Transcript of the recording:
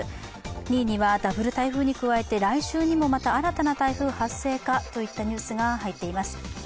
２位には、ダブル台風に加え来週にもまた新たな台風発生かというニュースが入っています。